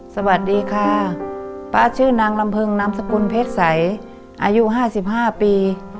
สวัสดีค่ะป้าชื่อนางลำเพิงนามสกุลเพชรใสอายุ๕๕ปี